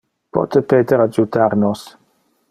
Pote Peter adjutar nos?